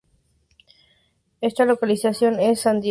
Está localizada en en San Diego, California.